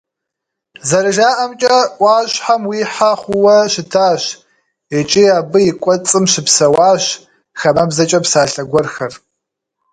ЗэрыжаӀэмкӀэ, Ӏуащхьэм уихьэ хъууэ щытащ, икӀи абы и кӀуэцӀым щыпсэуащ «хамэбзэкӀэ псалъэ гуэрхэр».